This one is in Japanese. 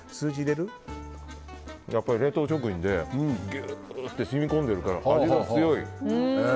やっぱり冷凍食品でギュッと染み込んでるから味が強い。